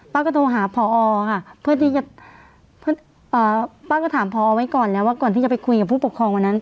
ก็โทรหาพอค่ะเพื่อที่จะป้าก็ถามพอไว้ก่อนแล้วว่าก่อนที่จะไปคุยกับผู้ปกครองวันนั้น